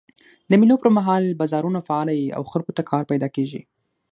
د مېلو پر مهال بازارونه فعاله يي او خلکو ته کار پیدا کېږي.